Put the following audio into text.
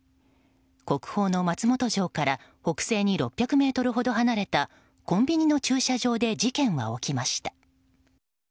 国宝の松本城から北西に６００ｍほど離れたコンビニの駐車場で事件は起きました。